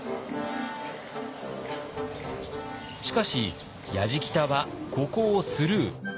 しかしやじきたはここをスルー。